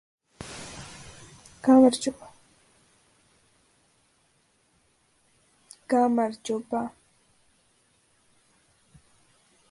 This is the first Spoons album produced by Nile Rodgers.